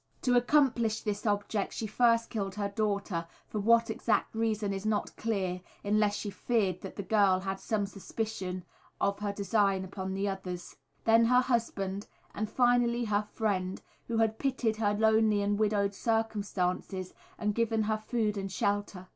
To accomplish this object she first killed her daughter (for what exact reason is not clear, unless she feared that the girl had some suspicion of her design upon the others), then her husband, and finally her friend, who had pitied her lonely and widowed circumstances, and given her food and shelter.